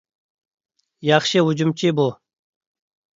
ياخشى ھۇجۇمچى بۇ.